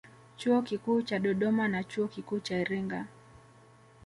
Chuo Kikuu cha Dodoma na Chuo Kikuu cha Iringa